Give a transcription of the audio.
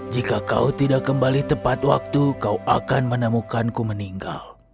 jika kau tidak kembali tepat waktu kau akan menemukanku meninggal